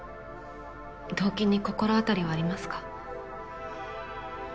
動機に心当たりはありますか？